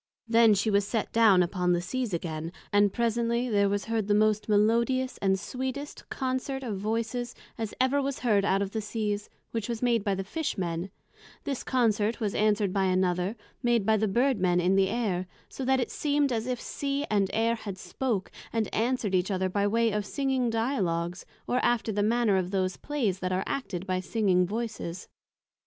Then she was set down upon the Seas again, and presently there was heard the most melodious and sweetest Consort of Voices, as ever was heard out of the Seas, which was made by the Fish men; this Consort was answered by another, made by the Bird men in the Air, so that it seem'd as if Sea and Air had spoke, and answered each other by way of Singing Dialogues, or after the manner of those Playes that are acted by singing Voices.